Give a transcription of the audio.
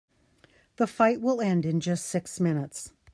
The fight will end in just six minutes.